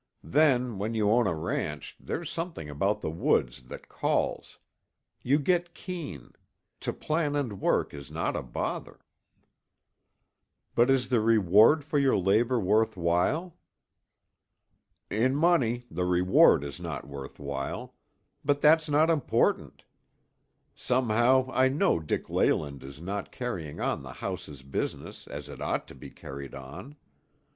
Then, when you own a ranch, there's something about the woods that calls. You get keen; to plan and work is not a bother." "But is the reward for your labor worth while?" "In money, the reward is not worth while; but that's not important. Somehow I know Dick Leyland is not carrying on the house's business as it ought to be carried on.